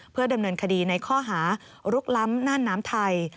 เพื่อดำเนินคดีในข้อหาลุกล้ำน่านน้ำไทย